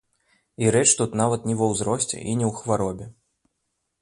І рэч тут нават не ва ўзросце і не ў хваробе.